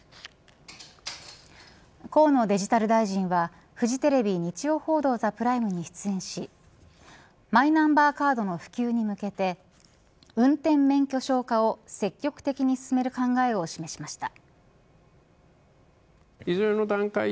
河野デジタル大臣はフジテレビ日曜報道ＴＨＥＰＲＩＭＥに出演しマイナンバーカードの普及に向けて運転免許証化を積極的に進める考えを示しました。